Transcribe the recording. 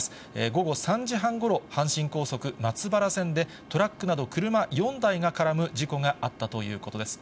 午後３時半ごろ、阪神高速松原線でトラックなど、車４台が絡む事故があったということです。